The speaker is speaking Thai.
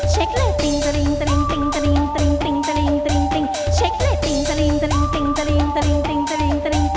เช็คและตริงตริงตริงตริง